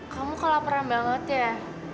kamu kelaparan banget ya